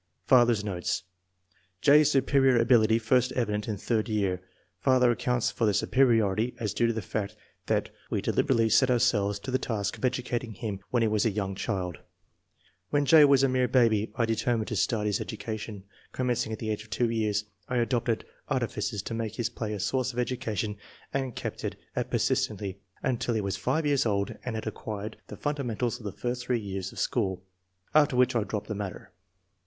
Father's notes. J.'s superior ability first evident in third year. Father accounts for the superiority as " due to the fact that we deliberately set ourselves to the task of educating him when he was a young child. When J. was a mere baby I determined to start his education. Commencing at the age of two years I adopted artifices to make his play a source of education and kept at it persistently until he was five years old and had acquired the fundamentals of the first three years of school, after which I dropped the matter.